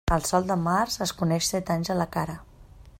El sol de març es coneix set anys a la cara.